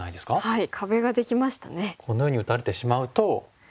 はい。